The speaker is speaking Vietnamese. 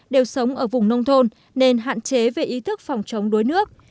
đều sống ở vùng nông thôn nên hạn chế về ý thức phòng chống đuối nước